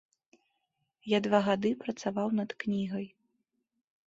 Я два гады працаваў над кнігай.